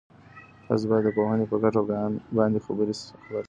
تاسو باید د پوهني په ګټه باندي خبر سئ.